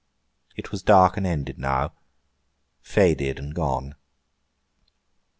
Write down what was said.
It was dark and ended now; faded and gone.